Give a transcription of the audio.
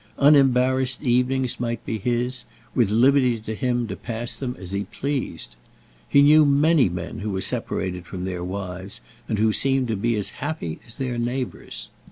Unembarrassed evenings might be his, with liberty to him to pass them as he pleased. He knew many men who were separated from their wives, and who seemed to be as happy as their neighbours.